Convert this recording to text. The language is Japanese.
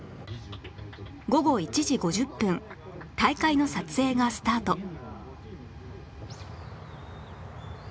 午後１時５０分大会の撮影がスタート